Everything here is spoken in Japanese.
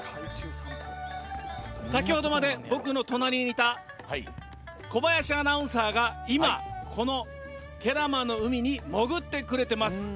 先ほどまで僕の隣にいた小林アナウンサーが今、この慶良間の海に潜ってくれてます。